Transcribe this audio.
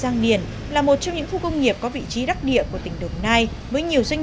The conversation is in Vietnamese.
giang điển là một trong những khu công nghiệp có vị trí đắc địa của tỉnh đồng nai với nhiều doanh